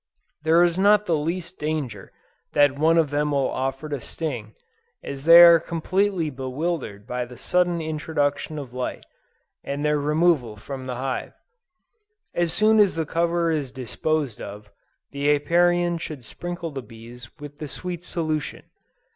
There is not the least danger that one of them will offer to sting, as they are completely bewildered by the sudden introduction of light, and their removal from the hive. As soon as the cover is disposed of, the Apiarian should sprinkle the bees with the sweet solution.